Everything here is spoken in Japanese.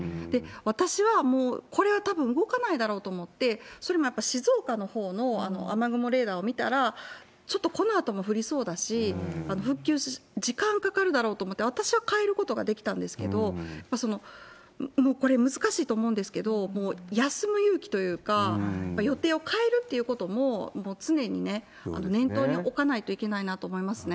私はもう、これはたぶん動かないだろうと思って、それもやっぱり静岡のほうの雨雲レーダーを見たら、ちょっとこのあとも降りそうだし、復旧、時間かかるだろうと思って、私は帰ることができたんですけれども、もうこれ、難しいと思うんですけど、もう休む勇気というか、予定を変えるということも、もう常にね、念頭に置かないといけないなと思いますよね。